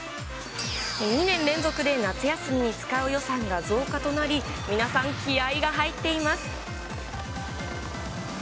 ２年連続で夏休みに使う予算が増加となり、皆さん気合いが入っています。